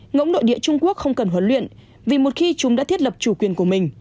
ngẫm nội địa trung quốc không cần huấn luyện vì một khi chúng đã thiết lập chủ quyền của mình